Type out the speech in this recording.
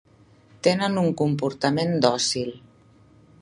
Tenen un comportament dòcil.